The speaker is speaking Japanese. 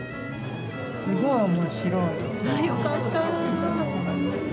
よかった。